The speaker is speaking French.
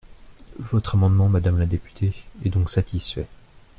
Votre amendement, madame la députée, est donc satisfait.